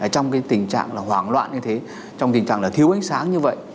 trong cái tình trạng là hoảng loạn như thế trong tình trạng là thiếu ánh sáng như vậy